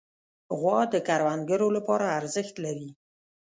غوا د کروندګرو لپاره ارزښت لري.